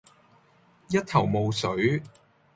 一頭霧水